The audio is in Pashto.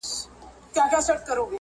یو د اسلام اختر دی، بل د مسلمان اختر دی